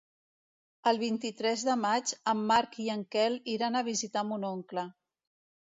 El vint-i-tres de maig en Marc i en Quel iran a visitar mon oncle.